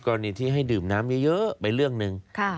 กรณีที่ให้ดื่มน้ำเยอะไปเรื่องหนึ่ง